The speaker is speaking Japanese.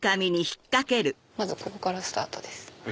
まずここからスタートです。